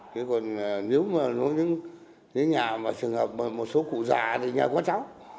cái còn nếu mà nó những nhà mà trường hợp một số cụ già thì nhà quá cháu